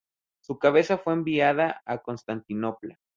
Su cabeza fue enviada a Constantinopla.